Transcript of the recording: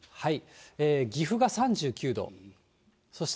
岐阜が３９度。